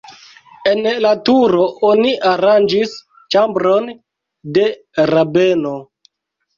En la turo oni aranĝis ĉambron de rabeno.